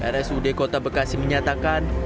rsud kota bekasi menyatakan